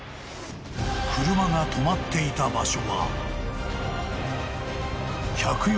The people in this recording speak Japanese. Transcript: ［車が止まっていた場所は］